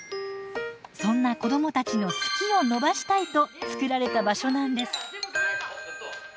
そんな子どもたちの「好き」を伸ばしたいと作られた場所なんです。